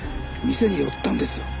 店に寄ったんですよ。